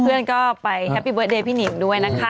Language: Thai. เพื่อนก็ไปแฮปปี้เดิร์เดย์พี่หนิงด้วยนะคะ